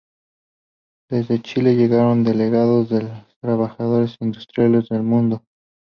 Desde Chile llegaron delegados de los Trabajadores Industriales del Mundo.